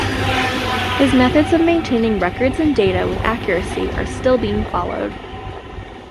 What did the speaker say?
His method of maintaining records and data with accuracy are still being followed.